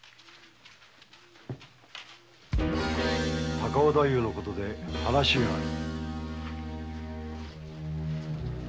高尾太夫の事で話がある。